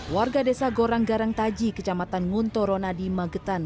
warga desa gorang garang taji kecamatan nguntoronadi magetan